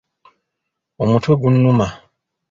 Omutwe gunnuma